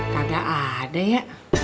pada ada ya